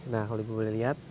nah kalau ibu boleh lihat